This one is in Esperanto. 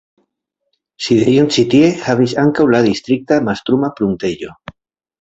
Sidejon ĉi tie havis ankaŭ la Distrikta mastruma pruntejo.